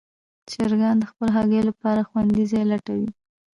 چرګان د خپلو هګیو لپاره خوندي ځای لټوي.